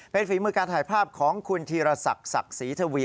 เป็นฝีมือการถ่ายภาพของคุณธีรศักดิ์ศักดิ์ศรีทวี